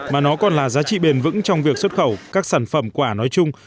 mà nó còn là giá trị bền vững trong việc xuất khẩu các sản phẩm quả nói chung